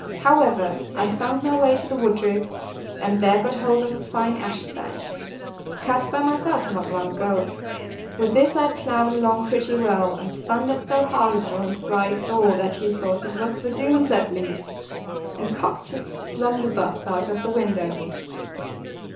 However, I found my way to the woodrick, and there got hold of a fine ash stake, cut by myself not long ago. With this I ploughed along pretty well, and thundered so hard at John Fry's door, that he thought it was the Doones at least, and cocked his blunderbuss out of the window.